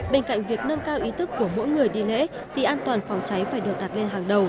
bên cạnh việc nâng cao ý thức của mỗi người đi lễ thì an toàn phòng cháy phải được đặt lên hàng đầu